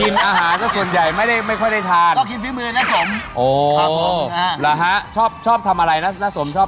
น้าสมป่ะใช่เลยครับ